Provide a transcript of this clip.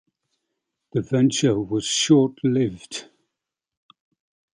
The venture was short-lived.